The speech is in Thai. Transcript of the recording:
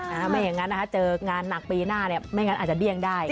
ไม่อย่างนั้นเจองานหนักปีหน้าอาจจะเดี่ยงได้